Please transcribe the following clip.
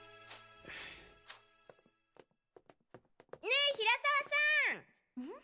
ねえ平沢さん！